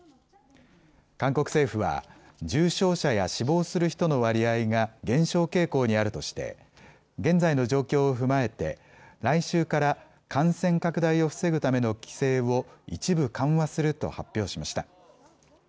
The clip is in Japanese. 韓国政府は重症者や死亡する人の割合が減少傾向にあるとして現在の状況を踏まえて来週から感染拡大を防ぐための規制を一部、緩和すると発表しました。